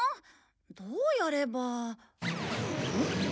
どうやれば。